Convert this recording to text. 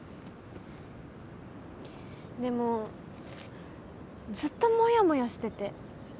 でもずっともやもやしてて。